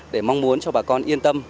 để mong muốn cho bà con yên tâm